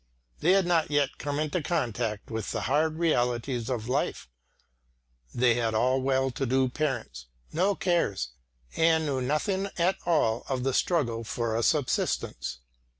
They had not yet come into contact with the hard realities of life; they had all well to do parents, no cares, and knew nothing at all of the struggle for a subsistence.